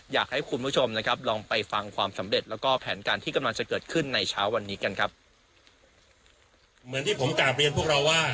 อยากให้คุณผู้ชมนะครับลองไปฟังความสำเร็จแล้วก็แผนการที่กำลังจะเกิดขึ้นในเช้าวันนี้กันครับเหมือนที่ผมกลับเรียนพวกเราว่า